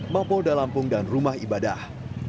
mapolda lampung dan rumah ibadah